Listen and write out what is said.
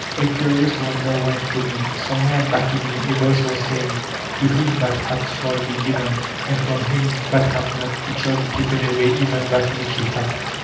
'' A curious wonder went through me. Somewhere bade in me a voice was saying, "To him that hath shall be given, and from him that hath not, it shall be taken away even that which he hath."